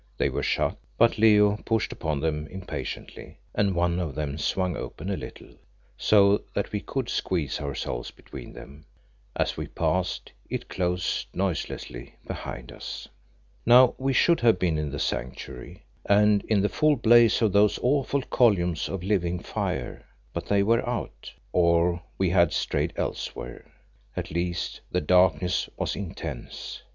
They were shut, but Leo pushed upon them impatiently, and one of them swung open a little, so that we could squeeze ourselves between them. As we passed it closed noiselessly behind us. Now we should have been in the Sanctuary, and in the full blaze of those awful columns of living fire. But they were out, or we had strayed elsewhere; at least the darkness was intense.